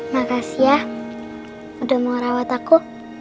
makasih ya udah mau rawat aku